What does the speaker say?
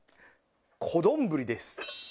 小丼です。